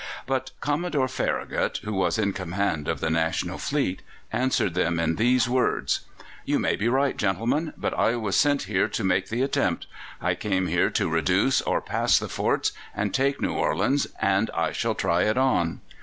But Commodore Farragut, who was in command of the National fleet, answered them in these words: "You may be right, gentlemen, but I was sent here to make the attempt. I came here to reduce or pass the forts and to take New Orleans, and I shall try it on."